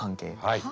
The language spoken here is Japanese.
はい。